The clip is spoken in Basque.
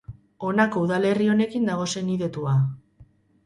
Honako udalerri honekin dago senidetua.